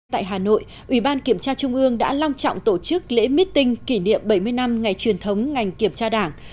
tại hà nội ủy ban kiểm tra trung ương đã long trọng tổ chức lễ meeting kỷ niệm bảy mươi năm ngày truyền thống ngành kiểm tra đảng